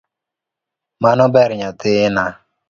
Mano ber nyathina.